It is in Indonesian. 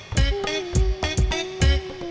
tapi ada pake